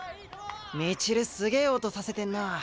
道塁すげえ音させてんな。